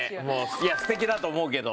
いや素敵だと思うけど。